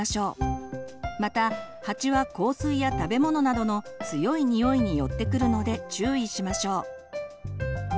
また蜂は香水や食べ物などの強い匂いに寄ってくるので注意しましょう。